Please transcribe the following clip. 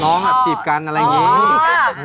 จีบกันอะไรอย่างนี้